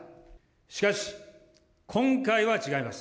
しかし、今回は違います。